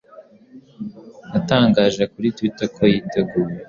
yatangaje kuri Twitter ko yiteguye "